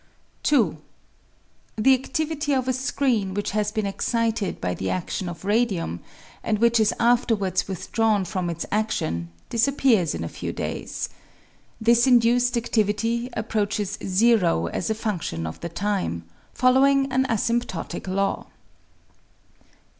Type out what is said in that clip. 2. The adivity of a screen which has been excited by the adion of radium, and which is afterwards withdrawn from its adion, disappears in a few days. This induced adivity approaches zero as a fundion of the time, following an asymptotic law.